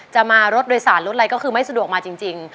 จะมารถโดยสารรถอะไรก็คือไม่สะดวกมาจริง